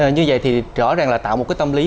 như vậy thì rõ ràng là tạo một cái tâm lý